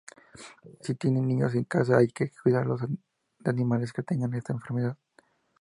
Si tiene niños en casa hay que cuidarlos de animales que tengan esta enfermedad.